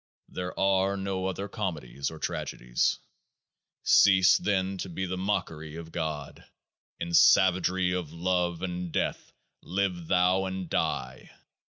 There are no other comedies or tragedies. Cease then to be the mockery of God ; in savagery of love and death live thou and die